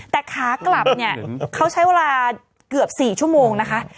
แต่ขากลับเนี่ยเขาใช้เวลาเกือบ๔ชั่วโมงนะคะ